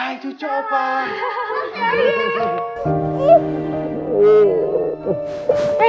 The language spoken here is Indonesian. nih gue paham